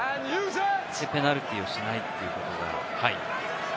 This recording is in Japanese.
ペナルティーをしないということが。